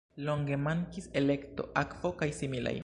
Longe mankis elekto, akvo kaj similaj.